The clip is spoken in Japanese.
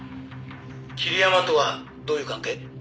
「桐山とはどういう関係？」